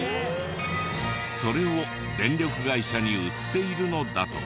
それを電力会社に売っているのだとか。